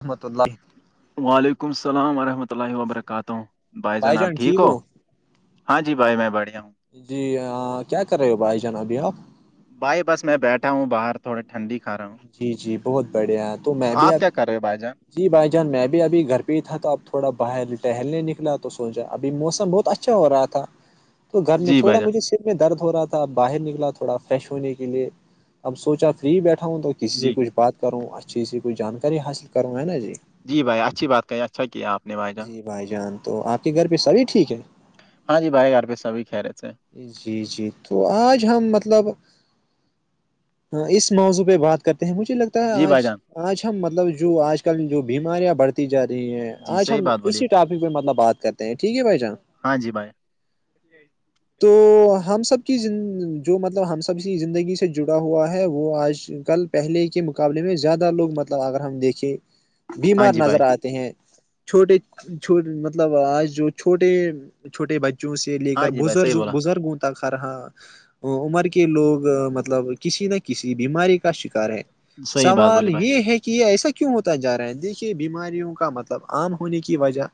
محمت اللہ وعلیکم السلام ورحمۃ اللہ وبرکاتہ بھائی جناب ٹھیک ہو ہاں جی بھائی میں بڑھیا ہوں جی کیا کر رہے ہو بھائی جان ابھی آپ بھائی بس میں بیٹھا ہوں بر تھوڑی ٹھنڈی کھا رہا ہوں جی جی بہت بڑھیا تو میں بھی کیا آپ کر رہے ہو بھائی جان جی بھائی جان میں بھی ابھی گھر پہ تھا تو اب تھوڑا باہر ٹہلنے نکلا تو سوچا ابھی موسم بہت اچھا اچھا ہو رہا تھا تو گھر میں جی تھوڑا بھائی جان مجھے میں درد ہو رہا تھا باہر نکلا تھوڑا فریش ہونے کے لیے اب سوچا فری بیٹھا ہوں تو کسی سے جی کچھ بات کروں اچھی سے کوچھ جانکاری حاصل کروں ہے نا جی جی بھائی اچھی بات کہی اچھا کیا آپ نے بھائی جان جی بھائی جان تو آپ کے گھر پہ سبھی ٹھیک ہے ہاں جی بھائی گار پہ سبھی کہ رہے تھے جی جی تو آج ہم مطلب اس موضوع پہ بات کرتے ہیں مجھے لگتا ہے جی آج بھائی جان آج ہم مطلب جو آج کل جو بیماریاں بڑھتی جا رہی ہے جی آج صحیح ہم بات بولیے اسی ٹاپک پہ مطلب بات کرتے ہیں ٹھیک ہے بھائی جان ہاں جی بھائی تو ہم سب کی جو مطلب ہم سب کی زندگی سے جڑا ہوا ہے وہ آج کل پہلے کے مقابلے میں زیادہ لوگ مطلب اگر ہم دیکھیں ہاں بیمار جی نظر بھائی آتے ہیں چھوٹے چ مطلب آج جو چھوٹے چھوٹے بچوں سے لے کر ہاں جی بھائی صحیح بزرگ بولا گر گتا کھ رہا عمر کے لوگ مطلب کسی نہ کسی بیماری کا شکار ہے صحیح بات سوال بولی بھائی یہ ہے کہ یہ ایسا کیوں ہوتا جا رہا ہے دیکھیے بیماریوں کا مطلب عام ہونے کی وجہ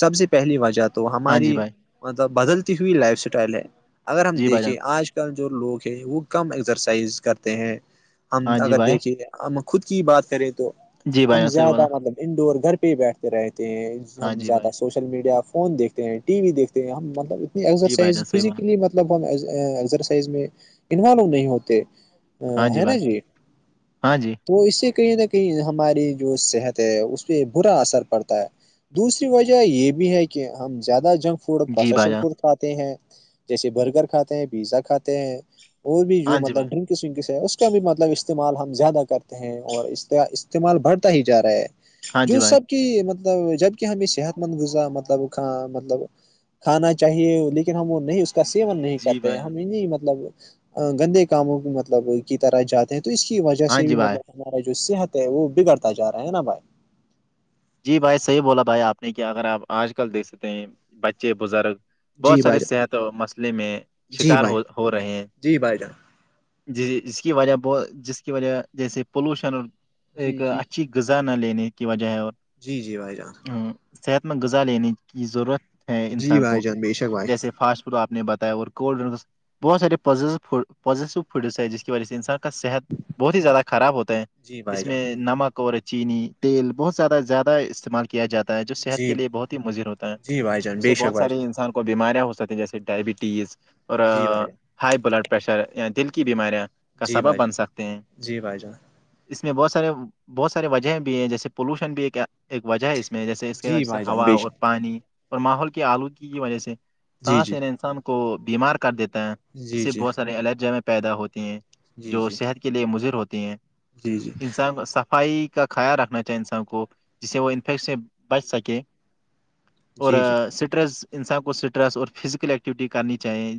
سب سے پہلی وجہ تو ہاں جی ہماری بھائی مطلب بدلتی ہوئی لائف اسٹائل ہے اگر ہم جی بھائی جان دیکھیں آج کل جو لوگ ہے وہ کم ایکسرسائز کرتے ہیں ہم ہاں جی اگر بھائی دیکھے ہم خود کی بات کریں تو جی بھائی ہم جان صحیح زیادہ بولا مطلب انڈور گھر پہ ہی بیٹھتے رہتے ہیں ہاں ہم جی بھائی زیادہ سوچ ل میڈیا فون دیکھتے ہیں ٹی وی دیکتے ہیں ہم مطلب اتنی جی بھائی ایکسرسائز جان صحیح بولا فزیکلی مطلب ہمسرسائز میں انوالو نہیں ہوتے ا ہاں ہے نا بھائی جی ہاں جی تو اس سے کہیں نہ کہیں ہماری جو صحت ہے اس پہ برا اثر پڑتا ہے دوسری وجہ یہ بھی ہے کہ ہم زیادہ جنک فوڈ جی بھائی پروسیسڈ جان فوڈ کھاتے ہیں جیسے برگر کھاتے ہیں پیزا کھاتے ہیں اور بھی جو ہاں جی بھائی مطلب ڈرنک کسم کس ہے اس کا بھی مطلب استعمال ہم زیادہ کرتے ہیں اور استعمال بڑھتا ہی جا رہا ہے ہاں جی جو بھائی سب کہ مطلب جبک ہمیں صحت مند گذا مطلب مطلب کھانا چاہیے لیکن ہم وہ نہیں اس کا سیون نہیں جی کرتے بھائی جان۔ ہم انیں مطلب گندے کاموں کی مطلب کی طرح جاتے ہیں تو اس کی وجہ ہاں سے بھی جی بھائی مطلب ہمارا جو صحت ہے وہ بگڑتا جا رہا ہے نا بھائی جی بھائی صحیح بولا بھائی آپ نے کیا اگر آپ آج کل دیکھ سکتے ہیں بچے بزرگ بہت جی سارے بھائی جان صحت و مسئلے میں جی شکار بھائی ہو ہو رہے ہیں جی بھائی جان جی جس کی وجہ ب جس کی وجہ جیسے پولوشن اور ایک جی جی اچھی غذا نہ لینے کی وجہ ہے اور جی جی بھائی جان صحت مند غذار لین کی ضرورت ہیں جی انسان کو بھائی جان بے شک بھائی جیسے فاسٹ فوڈ آپ نے بتایا اور کولڈ ڈرنکس بہت سارے پیو فڈ ہیں جس کی وجہ سے انسان کا صحت بہت ہی زیادہ خراب ہوتے ہیں جی بھائی اس میں جان نمک اور چینی تیل بہت زیادہ زیادہ استعمال کیا جاتا ہے جو صحت جی کے لیے بہت ہی مضر ہوتا ہے جی بھائی جان بے اسے شک بہت بھائی سارے جان انسان کو بیماریاں ہو سک ہیں جیے ڈائبٹیز اور جی بھائی جان ہائی بلڈ پریشر یا دل کی بیماریاں کا جی سبب بھائی جان بن سکتے ہیں جی بھائی جان اس میں بہت سارے بہت سار وجہ بھی ہیں جیسے پولوشن بھی ہے کیا ایک وجہ ہے اس میں جیسے اس کی جی وجہ سے بھائی جان ہوا بے اور شک پانی اور ماحول کی آلودگی کی وجہ سے جی سانس جی لیرا انسان کو بیمار کر دیتا ہے اس جی سے جی بہت سارے الرجیں پیدا ہوتی ہیں جی جو جی صحت کے لیے مضر ہوتی ہیں جی انسان کو صفائی کا خیال رکھنا چاہے انسان کو جس سے وہ انفیکٹ سے بچ سکے اور جی جی اسٹریس انسان کو سٹریس اور فزیکل ایکٹیویٹی کرنی چاہیے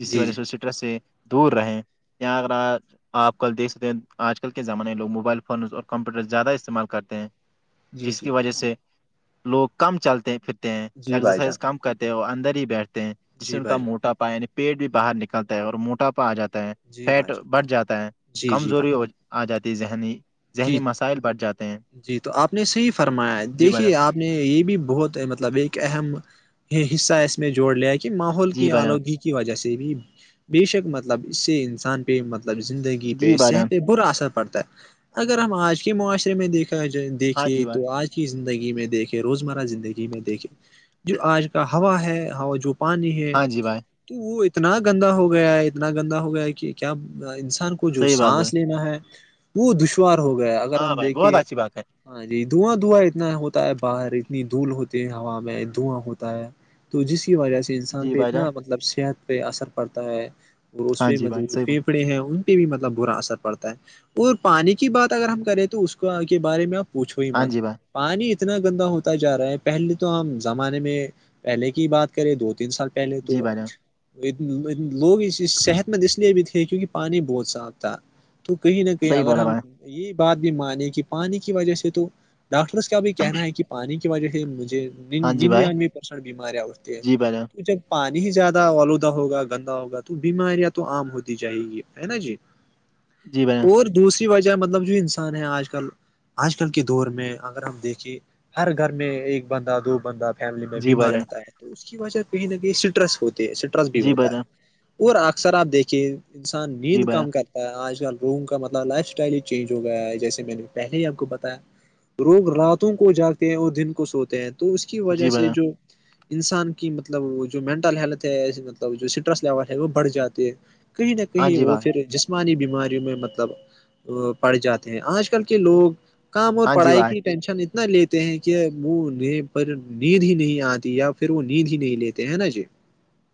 جس کی جی وجہ جی سے مر سے دور رہے اگر آپ کل دیکھ سکتے ہیں آج کل کے زمانے میں لوگ موبائل فونز اور کمپیوٹر زیادہ استعمال کرتے ہیں جی جس جی کی وجہ سے لوگ کام چلتے پھرتے ہیں جی بھائی جان ایکسرسائز کام کرتے اور اندر ہی بیٹھتے ہیں جس سے جی ان کا بھائی جان موٹاپا یعنی پیٹ بھی باہر نکلتا ہے اور موٹاپا آ جاتا جی فیٹ بھائی جان بڑھ جاتا ہے جی جی بھائی کمزوری آ جاتی ہے ذہنی ذہنی جی مسائل بڑھ جاتے ہیں جی تو آپ نے صحیح فرمایا ہے جی بھائی جان دیکھیے آپ نے یہ بھی بہت مطلب ایک اہم حصہ ہے اس میں جوڑ لیا کہ کہ ماحول جی کی بھائی جان آلودگی کی وجہ سے بھی بے شک مطلب اس سے انسان پہ مطلب مطلب زندگی جی پہ بھائی جان صحت پ برا اثر پڑتا ہے اگر ہم آج کے معاشرے میں دیکھا جائے ہاں جی دیکھے بھائی تو آج کی زندگی میں دیکھے روزمرہ زندگی میں دیکھیں جو آج کا ہوا ہے ہوا جو پانی ہے ہاں جی بھائی تو وہ اتنا گندا ہو گیا ہے اتنا گندا ہو گیا ہے کہ کیا انسان کو کو جو صحیح بات بولے سانس لینا ہے وہ دشوار ہو گیا اگر ہاں ہم بھائی دیکھیں بہت اچھی بات ہے ہاں جی دھواں دھواں اتنا ہوتا ہے باہر اتنی دھول ہوتی ہے ہوا میں دھواں ہوتا ہے تو جس کی وجہ سے انسان جی پہ بھائی جان اتنا مطلب صحت پہ اثر پڑتا ہے وہ اس ہاں پہ جی بھائی مطلب صحیح بولا پھیپھڑے ہیں ان بھی مطلب برا اثر پڑتا ہے اور پانی کی بات اگر ہم کریں تو اس کے بارے میں آپ پوچھو ہی ہاں مت جی بھائی پانی اتنا گندا ہوتا جا رہا ہے پہلے تو ہم زمانے میں پہلے کی بات کریں دو تین سال پہلے جی تو بھائی جان لوگ صحت مند اس لیے بھی تھے کیونکہ پانی بہت سا آتا ہے تو کہیں نہ کہیں صحیح اگر بولا ہم بھائی یہ بات بھی مانے کہ پانی کی وجہ سے تو ڈاکٹرس کا بھی کہنا ہے کہ پانی وجہ سے مجھے ہاں جی بھائی ننانوے پرسنٹ بیماریاں اھتی ہیں جی بھائی جان تو جب پانی ہی زیادہ آلودہ ہوگا گندا ہوگا تو بیماریاں تو عام ہوتی جائےیں گی ہے نا جی جی بھائی جان اور دوسری وجہ مطلب جو انسان ہے آج کل آج کل کے دور میں اگر ہم دیکھے ہر گھر میں ایک بندہ دو بندہ فیملی میں جی بھائی بیمار جان رہتا ہے تو اس کی وجہ کہیں نہ کہیں اسٹرس ہوتے ہے اسٹرس بھی جی بھائی ہوتا ہے جان اور اکثر آپ دیکھیے انسان جی نیند بھائی کم جان کرتا ہے آج کل روم کا مطلب لائف اسٹائل چینج ہو گیا ہے جیسے میں نے پہلے ہی آپ کو بتایا لوگ راتوں کو جاگے ہیں اور دن کو سوتے ہیں تو اس کی وجہ جی بھائی سے جان جو انسان کی مطلب جو مینٹل ہیلتھ ہے مطلب جو سٹرس لیول ہے وہ بڑھ جاتی ہے کہیں نہ ہاں کہیں جی وہ بھائی پھر جسمانی بیماریوں میں مطلب پڑھ جاتے ہیں آج کل کے لوگ کام اور ہاں جی پڑھائی بھائی کی ٹینشن اتنا لیتے ہیں کہ وہ پر نیند ہی نہیں آتی یا پھر وہ نیند ہی نہیں لیتے ہے نا جی [inaudible]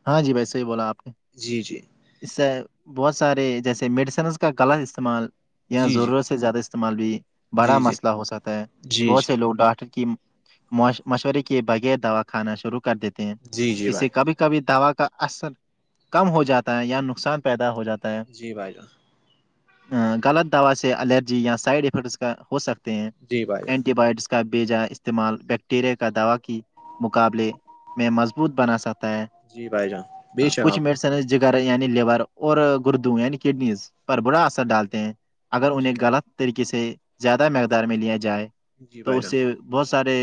ہاں جی وسے ہی بولا آپ نے جی جی اس سے بہت سارے جیسے میڈیسنس کا غلط استعمال یا جی جی ضرورت زیادہ استعمال بھی بڑا جی جی مسئلہ ہو سکتا ہے جی بہت جی سے لوگ ڈاکٹر کی مشورے کی بغیر دوا کھانا شروع کر دیتے ہیں جی جی اسے بھائی کبھی کبھی دوا کا اثر کم ہو جاتا ہے یا نقصان پیدا ہو جاتا ہے جی بھائی جان غلط دوا سے الرجی یا سائڈ افیکٹس کا ہو سکتا ہیں جی بھائی جان اینٹی باوٹکس کا بے جا استعمال بیکٹیریا کا دوا کے مقابلے میں مضبوط بنا سکتا ہے جی بھائی جان بے شک کچھ آپ میڈیسن جگر یعنی لیور اور گردو یعنی کڈنیز پر برا اثر ڈالتے ہیں اگر انہیں جی بھائی غلط طریقے سے زیادہ مقدار میں لیا جائے جی تو بھائی اس جان سے بہت سارے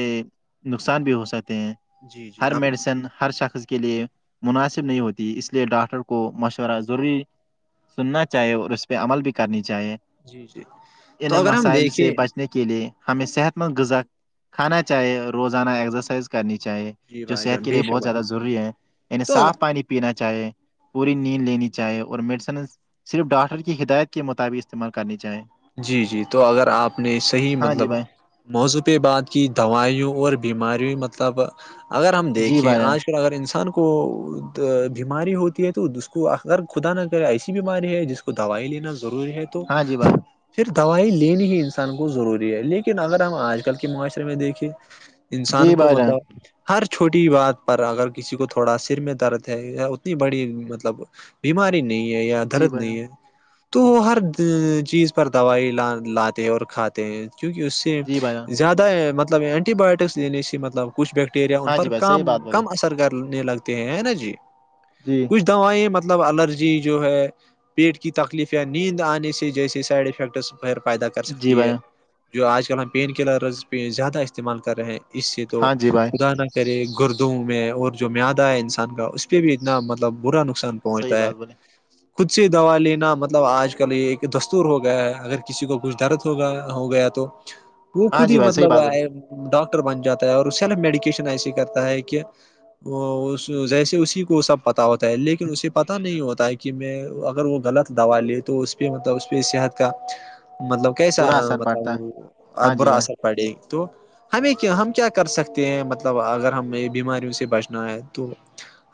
نقصان بھی ہو سکتے ہیں جی جی ہر آپ نے میڈیسن ہر شخص کے لیے مناسب نہیں ہوتی اس لیے ڈاکٹر کو مشورہ ضروری سننا چاہیے اور اس پہ عمل بھی کرنی چاہیے جی جی تو ان اگر ہم مسائل دیکھے سے بچنے کے لیے ہمیں صحت مند غذا کھانا چاہیے روزانہ ایکسرسائز کرنی چاہیے جی جو بھائی صحت جان کے بے لیے شک بہت بھائی زیادہ ضروری ہے یعنی تو صاف پانی پینا چاہے پوری نیند لینی چاہے اور میڈیسن صرف ڈاکٹر کی ہدایت کے مطابق استعمال کرنی چاہیں جی جی تو اگر آپ نے صحیح ہاں جی مطلب بھائی موضوعی بعد کی دوائیوں اور بیماری مطلب اگر ہم جی دیکھیں بھائی جان آج اگر انسان کو بیماری ہوتی ہے تو اس کو ا اگر خدا نہ کرے ایسی بیماری ہے جس کو کو دوائی لینا ضروری ہے تو ہاں جی بھائی پھر دوائی لینی ہی انسان کو ضروری ہے لیکن اگر ہم آج کل کے معاشرے میں دیکھیں انسان جی کو بھائی جان مطلب ہر چھوٹی بات پر اگر کسی کو تھوڑا سر میں درد ہے یا اتنی بڑی مطلب بیماری نہیں ہے یا جی درد بھائی جان نہیں ہے تو ہر چیز پر دوائی ل لاتے ہیں اور کھاتے ہیں کیونکہ اس سے جی بھائی جان زیادہ مطلب مطلب اینٹی بایوٹکس دیینی سی مطلب کچھ بیکٹیریا ان ہاں پر جی بھائی صحیح کام بات بولے کم اثر کرنے لگتا ہیں نا جی جی کچھ دوائیں مطلب الرجی جو ہے پیٹ کی تکلیف یا نیند آنے سے جیسے سائڈ افیکٹ پھر پیدا کر جی سکتی بھائی ہے جان، جو آج کل ہم پین کلرز پہ زیادہ استعمال کر رہے ہیں اس سے تو ہاں جی بھائی خدا نہ پے گردوں میں اور جو مد آ ہے انسان کا اس پہ بھی اتنا مطلب برا نقصان صحیح پہنچتا ہے بات بولے خود سے دوا لینا مطلب آج کل یہ دست ہو گیا ہے اگر کسی کو کچھ درد ہویا ہو گیا تو وہ ہاں خود جی ہی بھائی صحیح مطلب بات بولے آئے ڈاکٹر بن جاتا ہے اور سیلف میڈیکیشن ایسے کرتا ہے کہ وہ جیسے اسی کو سب پتا ہوتا ہے لیکن اسے پتا نہیں ہوتا ہے کہ میں اگر وہ غلط دوا لے تو اس پہ مطلب صحت کا مطلب کیسا برا اثر پڑتا ہے مطلب ہاں جی برا بھائی اثر پڑے تو ہمیں کیا ہم کیا کر سکتے ہیں مطلب اگر ہمیں بیماریوں سے بچنا ہے تو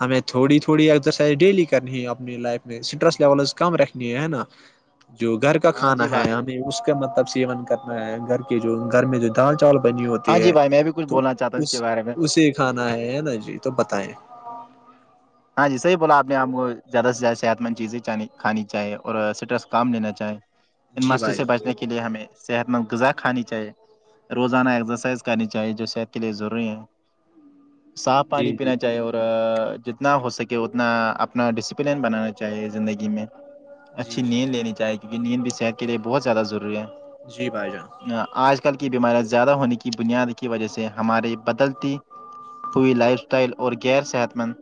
ہمیں تھوڑی تھوڑی ایکسرسائز ڈیلی کرنی ہے اپنی لائف میں اسٹریس لیولز کم رکھنی ہے نا جو گھر کا ہاں کھانا جی ہے بھائی ہمیں اس کا مطلب سیون کرنا ہے گھر کے جو گھر میں جو دال چاول بنی ہاں ہوتی جی ہے بھائی میں بھی کچھ تو بولنا چاہتا ہوں کے اس بارے میں اسے کھانا ہے ہے نا جی تو بتائیں ہاں جی صح بولا آپ ہم کو زیادہ سے زیادہ صحت مند چیزیں چ کھانی چاہیے اور سٹرس کام لینا چاہیں ان جی مسئلے بھائی سے جان بچنے کے لیے ہمیں صحت مند غذا کھانی چاہیے روزانہ ایکسرسائز کرنی چاہیے جو صحت کے لیے ضروری ہے صاف جی پانی جی پینا چاہیے اور جتنا ہو سکے اتنا اپنا ڈسپلین بنانا چاہے چاہیے زندگی میں جی اچھی جی نیند لینی چاہیے کیونکہ نیند بھی صحت کے لیے بہت زیادہ ضروری ہے جی بھائی جان آج کل کی بیماریاں زیادہ ہونے کی بنیاد کی وجہ سے ہمارے بدلتی ہوئی لائف اسٹائل اور غیر صحت مند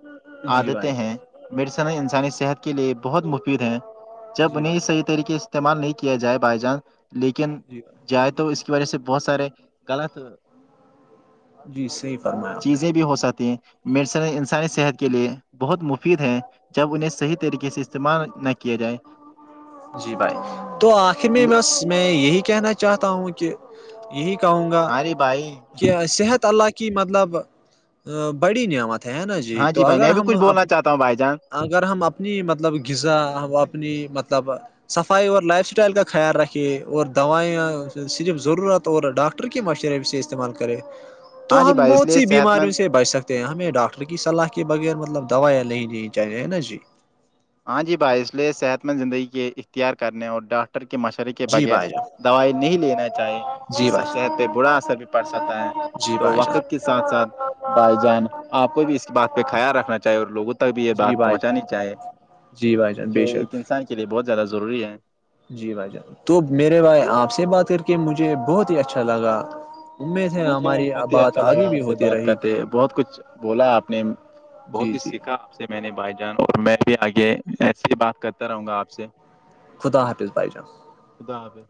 جی عادتیں بھائی ہیں میڈیسن انسانی صحت کے لیے بہت مفید ہیں جب جی انہیں بھائی صحیح طریقے استعمال نہیں کیا جائے بائی جانس لیکن جی بھائی جائے تو اس کی وجہ سے بہت سارے غلط جی صحیح فرمایا آپ نے چیزیں بھی ہو سکتی ہیں م انسانی صحت کی کے لیئے بہت مفید ہیں جب انہیں صحیح طریقے سے استعمال نہ کیا جائے جی بھائی تو آخر میں بس میں یہی کہنا چاہتا ہوں کہ یہی کہوں گا ہاں جی بھائی کہ ای صحت اللہ کی مطلب بڑی نعمت ہے ہے نا جی تو اگر ہم اپ تو بائی جان اگر ہم اپنی مطلب غذا اپنی مطلب صفائی اور لائف اسٹائل کا خیال رکھیے اور دوائیاں صرف ضرورت اور ڈاکٹر کی مشین سے استعمال کریں ہاں تو جی ہم بھائی اس بہت لیے سی صحت بیماریوں مند سے بچ سکتے ہمیں ڈاکٹر کی صلاح کے بغیر مطلب دوائیاں نہیں لینی چاہیے نا جی ہاں جی بھائی اس لیے صحت مند زندگی کے اختیار کرنے اور ڈاک ٹر کے مشورے کے جی بغیر بھائی جان دوائی نہیں لینا چاہی جی جس سے بھائی صحت پہ برا اثر بھی پڑ سکتا ہے جان، جی تو بھائی جان وقت کے ساتھ ساتھ بھائی جان آپ کو بھی اس بات پہ خیال رکھنا چاہیے اور لوگوں تک بھی یہ جی بات بھائی جان پہنچانی چاہے جی بھائی جان جو بے شک ایک انسان کے لیے بہت زیادہ ضروری ہے جی بھائی جان تو میرے بھائی آپ سے بات کر کے مجھے بہت ہی اچھا لگا امید ہے مجھے بھی ہماری بہت ہی بات اچھا لگا آگے بھی آپ سے ہوتی بات رہے کرتے گی بہت کچھ بولا آپ نے بہت جی کچھ جی سیکھا سے میں نے بھائی جان اور میں بھی آگے ایسے ہی بات کرتا رہوں گا آپ سے خدا حافظ بھائی جان خداب